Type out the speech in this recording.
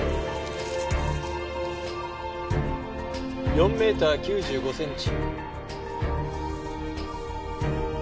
４メーター９５センチ。